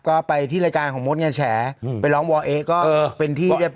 ก็ไปที่รายการของมศเนี้ยแชร์ไปเรียกเอ็กซ์ก็เป็นที่